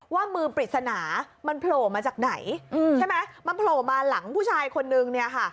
ว่ามือปริศนามันโผล่มาจากไหนใช่ไหมมันโผล่มาหลังผู้ชายคนนึงเนี่ยค่ะ